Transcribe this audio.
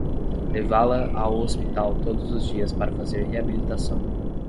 Levá-la ao hospital todos os dias para fazer reabilitação